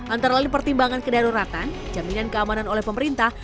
antara lain pertimbangan kedaruratan jaminan keamanan oleh pemerintah